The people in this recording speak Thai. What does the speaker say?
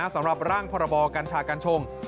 สำหรับร่างพรบกัญชากัญชง